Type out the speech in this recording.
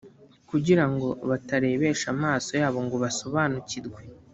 kugira ngo batarebesha amaso yabo ngo basobanukirwe